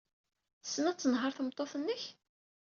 Tessen ad tenheṛ tmeṭṭut-nnek?